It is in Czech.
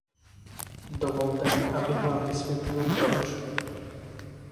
Dovolte mi, abych vám vysvětlil proč.